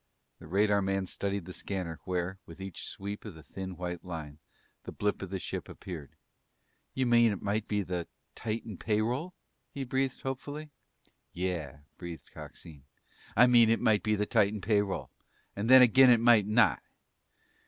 The radarman studied the scanner, where, with each sweep of the thin white line, the blip of the ship appeared. "You mean it might be the Titan pay roll?" he breathed hopefully. "Yeah," breathed Coxine. "I mean it might be the Titan pay roll, and then again it might not!"